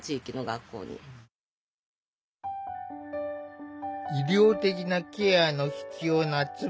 医療的なケアの必要な椿さん。